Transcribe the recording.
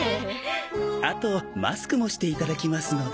あとマスクもしていただきますので。